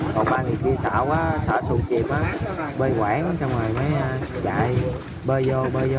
còn ba người kia xả quá xả sụn kịp á bơi quảng xong rồi mới chạy bơi vô bơi vô